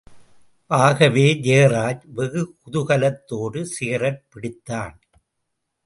ஆகவே, ஜெயராஜ் வெகு குதூகலத்தோடு சிகரெட் பிடித்தான்.